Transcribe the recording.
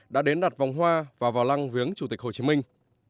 đã đến đặt vòng hoa và vào lăng viếng chủ tịch hồ chí minh